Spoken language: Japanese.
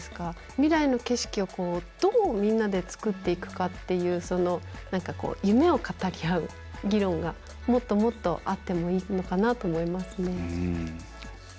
未来の景色を、どうみんなでつくっていくかっていうその夢を語り合う議論がもっともっとあってもいいのかなと思いますね。